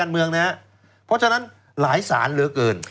เพราะฉะนั้นหลายสารเหลือเกิน